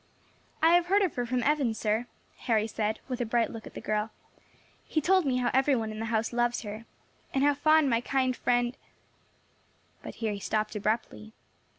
"I have heard of her from Evan, sir," Harry said, with a bright look at the girl. "He has told me how every one in the house loves her, and how fond my kind friend " But here he stopped abruptly.